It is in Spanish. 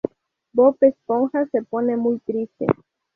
Bob Esponja se pone muy triste.